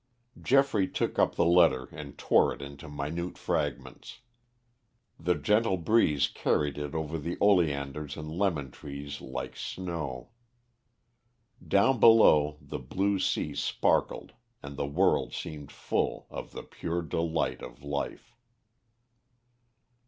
Geoffrey took up the letter and tore it into minute fragments. The gentle breeze carried it over the oleanders and lemon trees like snow. Down below the blue sea sparkled and the world seemed full of the pure delight of life.